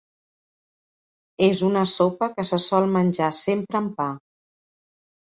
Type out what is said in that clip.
És una sopa que se sol menjar sempre amb pa.